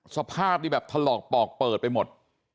สภาพนี่แบบถลอกปอกเปิดไปหมด